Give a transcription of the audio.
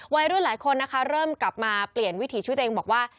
วัยรุ่นหลายคนนะคะเริ่มกลับมาเปลี่ยนวิถีชีวิตตัวเองบอกว่า